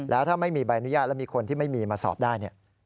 แล้วถ้าไม่มีใบอนุญาตแล้วมีคนที่ไม่มีมาสอบได้